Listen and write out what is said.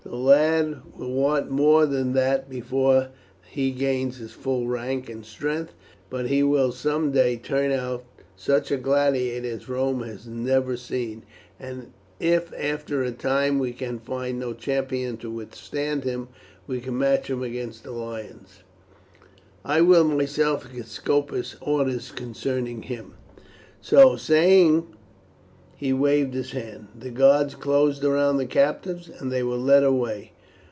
The lad will want more than that before he gains his full bulk and strength, but he will some day turn out such a gladiator as Rome has never seen; and if after a time we can find no champion to withstand him, we can match him against the lions. I will myself give Scopus orders concerning him." So saying he waved his hand. The guards closed round the captives and they were led away.